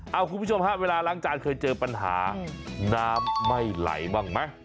เอาคุณผู้ชมฮะเวลาล้างจานเคยเจอปัญหาน้ำไม่ไหลบ้างไหม